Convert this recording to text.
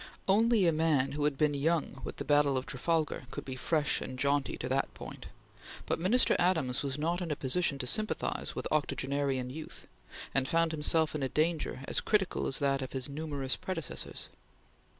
Only a man who had been young with the battle of Trafalgar could be fresh and jaunty to that point, but Minister Adams was not in a position to sympathize with octogenarian youth and found himself in a danger as critical as that of his numerous predecessors.